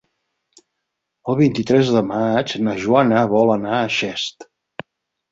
El vint-i-tres de maig na Joana vol anar a Xest.